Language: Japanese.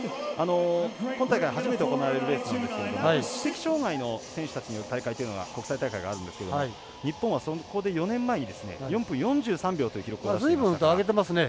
今大会、初めて行われるレースなんですけれども知的障がいの選手たちによる大会というのは国際大会があるんですけども日本は、そこで４年前に４分４３秒というずいぶんと上げてますね。